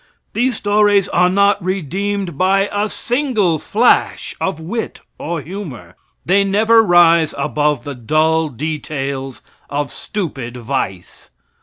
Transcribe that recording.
These stories are not redeemed by a single flash of wit or humor. They never rise above the dull details of stupid vice.